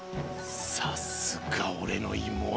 さすがおれの妹。